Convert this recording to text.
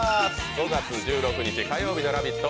５月１６日火曜日の「ラヴィット！」